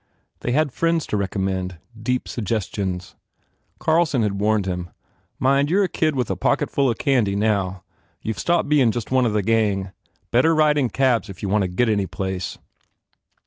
They had friends to recommend, deep suggestions. Carl son had warned him, "Mind, you re a kid with a pocketful of candy, now. You ve stopped bein just one of the gang. Better ride in cabs if you want to get anyplace."